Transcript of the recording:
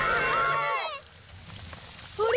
あれ？